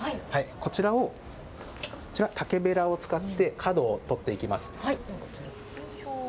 こちらを竹べらを使って、角を取っていきます。